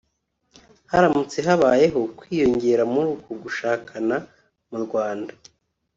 Haramutse habayeho kwiyongera muri uku gushakana mu Rwanda